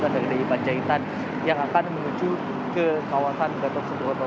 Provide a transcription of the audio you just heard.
dari panjaitan yang akan menuju ke kawasan gatot subroto